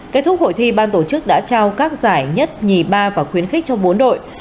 kết thúc hội thi ban tổ chức đã trao các giải nhất nhì ba và khuyến khích cho bốn đội